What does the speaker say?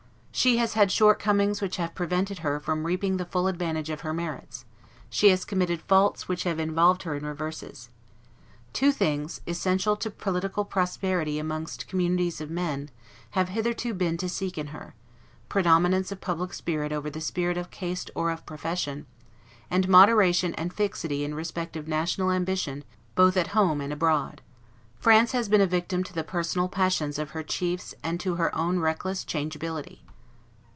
She has had shortcomings which have prevented her from reaping the full advantage of her merits; she has committed faults which have involved her in reverses. Two things, essential to political prosperity amongst communities of men, have hitherto been to seek in her; predominance of public spirit over the spirit of caste or of profession, and moderation and fixity in respect of national ambition both at home and abroad. France has been a victim to the personal passions of her chiefs and to her own reckless changeability.